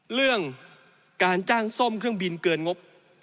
เรื่องการจ้างซ่อมเครื่องบินเกินงบ